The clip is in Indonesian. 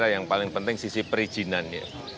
yang paling penting sisi perizinannya